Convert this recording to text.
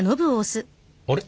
あれ？